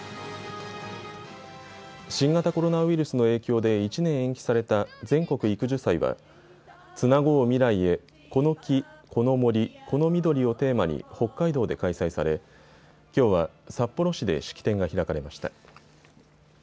新型コロナウイルスの影響で１年延期された全国育樹祭はつなごう未来へ、この木この森この緑をテーマに北海道で開催されきょうは札幌市で式典が開かれました。